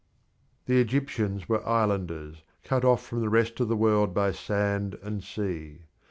The Egyptians were islanders, cut off from the rest of the world by sand and sea.